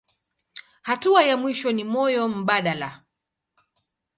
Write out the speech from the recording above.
Hatua ya mwisho ni moyo mbadala.